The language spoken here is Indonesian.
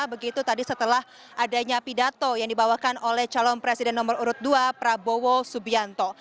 begitu tadi setelah adanya pidato yang dibawakan oleh calon presiden nomor urut dua prabowo subianto